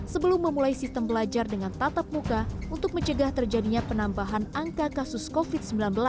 sebelum memulai sistem belajar dengan tatap muka untuk mencegah terjadinya penambahan angka kasus covid sembilan belas